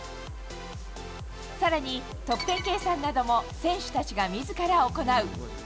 さらに、得点計算なども選手たちがみずから行う。